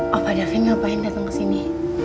pak da vin ngapain dateng kesini